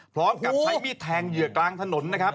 พร้อมกับใช้มีดแทงเหยื่อกลางถนนนะครับ